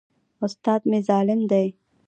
استاد مي ظالم دی.